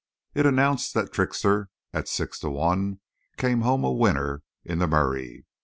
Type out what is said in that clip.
It announced that Trickster, at six to one, came home a winner in the Murray.